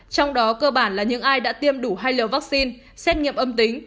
trong đó cơ bản là những ai đã tiêm đủ hai liều vaccine xét nghiệm âm tính